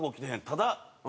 ただ。